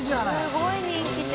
すごい人気店。